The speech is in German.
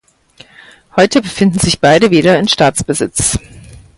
Heute befinden sich beide wieder in Staatsbesitz.